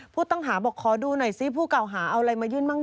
ผู้ต้องหาบอกขอดูหน่อยซิผู้เก่าหาเอาอะไรมายื่นบ้าง